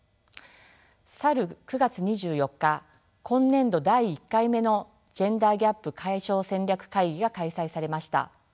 去る９月２４日今年度第１回目のジェンダーギャップ解消戦略会議が開催されました。